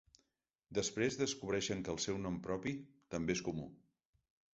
Després descobreixen que el seu nom propi també és comú.